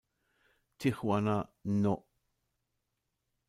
Tijuana No!